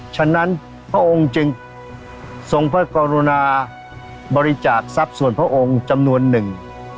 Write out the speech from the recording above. ฉะนั้นพระองค์จึงทรงพระกรุณาบริจาคทรัพย์ส่วนพระองค์จำนวนหนึ่ง